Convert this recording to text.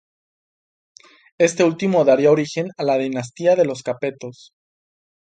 Este último daría origen a la dinastía de los Capetos.